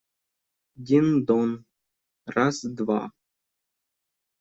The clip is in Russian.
Дин-дон… раз, два!..»